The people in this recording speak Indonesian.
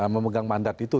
memegang mandat itu